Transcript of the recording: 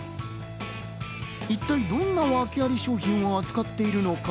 一体どんな訳あり商品を扱っているのか。